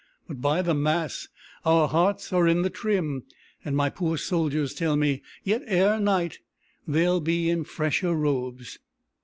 But, by the mass, our hearts are in the trim, And my poor soldiers tell me, yet ere night They'll be in fresher robes.